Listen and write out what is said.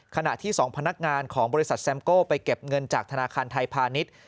ขณะที่๒พนักงานของบริษัทแซมโก้ไปเก็บเงินจากธนาคารไทยพาณิชย์